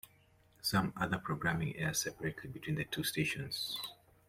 Some other programming airs separately between the two stations.